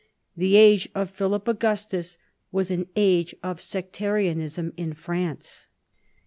The age of Philip Augustus was an age of Sectarianism in France.